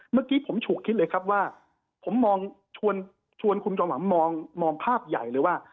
เมื่อกี้ผมฉุกคิดเลยครับว่าผมมองชวนคุณจอมหวังมองภาพใหญ่เลยว่า